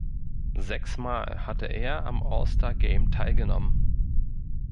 Sechsmal hatte er am All-Star-Game teilgenommen.